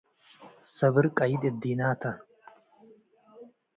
ሰብር ቀይድ እዲና ተ።